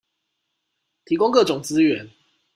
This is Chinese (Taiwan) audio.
提供各種資源